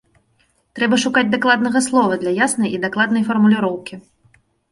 Трэба шукаць дакладнага слова для яснай і дакладнай фармуліроўкі.